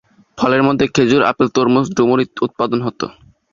ফলের মধ্যে খেজুর, আপেল, তরমুজ, ডুমুর উৎপাদন হত।